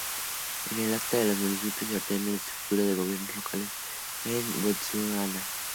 El Acta de los municipios ordena la estructura de gobiernos locales en Botsuana.